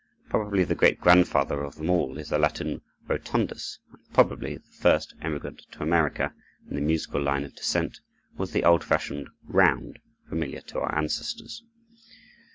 Probably the great grandfather of them all is the Latin rotundus, and probably the first emigrant to America, in the musical line of descent, was the old fashioned round, familiar to our ancestors.